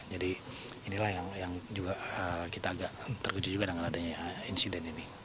jadi inilah yang kita agak terkejut juga dengan adanya insiden ini